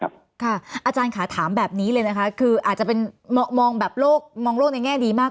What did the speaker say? อณอย์อาจารย์ขาถามแบบนี้เลยคืออาจจะเป็นมองโลกในแง่นี้มาก